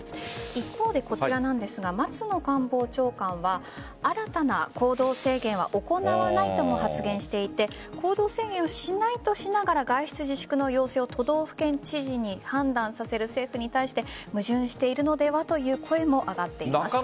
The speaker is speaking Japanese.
一方でこちらなんですが松野官房長官は新たな行動制限は行わないとも発言していて行動制限をしないとしながら外出自粛の要請を都道府県知事に判断させる政府に対して矛盾しているのではという声も上がっています。